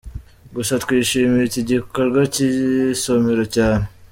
Gusa twishimiye iki gikorwa cy'isomero cyane.